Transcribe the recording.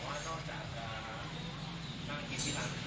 อย่างนั่นส่วนข้อที่๒เนี่ย